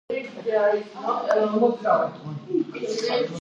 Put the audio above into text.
ბაქტერიების ზოგიერთ სახეობას ადამიანი სამეურნეო საქმიანობისთვის იყენებს.